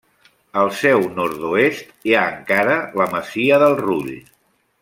Al seu nord-oest hi ha encara la masia del Rull.